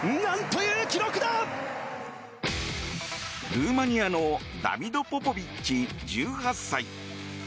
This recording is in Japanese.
ルーマニアのダビド・ポポビッチ、１８歳。